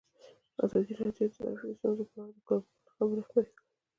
ازادي راډیو د ټرافیکي ستونزې په اړه د کارپوهانو خبرې خپرې کړي.